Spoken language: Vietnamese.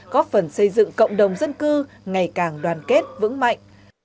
góp phần xây dựng cộng đồng dân cư ngày càng đoàn kết vững mạnh